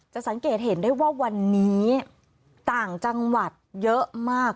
สังเกตเห็นได้ว่าวันนี้ต่างจังหวัดเยอะมาก